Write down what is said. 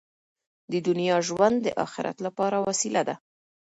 د دنیا ژوند د اخرت لپاره وسیله ده.